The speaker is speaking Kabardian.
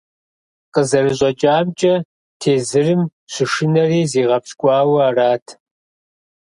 КъызэрыщӀэкӀамкӀэ, тезырым щышынэри зигъэпщкӀуауэ арат.